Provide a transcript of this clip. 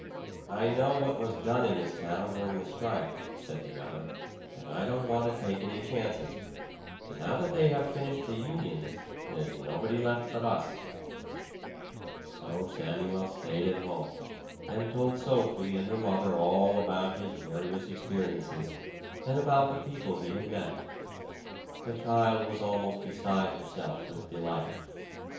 "I know what was done in this town during the strike," said the other, "and I don't want to take any chances. Now that they have finished the unions, there's nobody left but us." So Samuel stayed at home, and told Sophie and her mother all about his various experiences, and about the people he had met. The child was almost beside herself with delight.